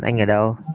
anh ở đâu